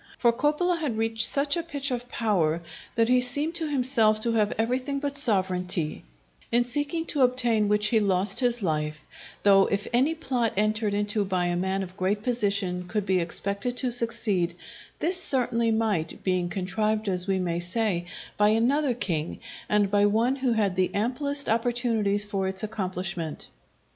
For Coppola had reached such a pitch of power that he seemed to himself to have everything but sovereignty; in seeking to obtain which he lost his life; though if any plot entered into by a man of great position could be expected to succeed, this certainly might, being contrived, as we may say, by another king, and by one who had the amplest opportunities for its accomplishment.